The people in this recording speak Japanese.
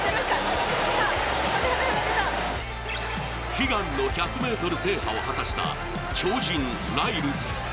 悲願の１００ｍ制覇を果たした超人ライルズ。